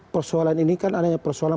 persoalan ini kan adanya persoalan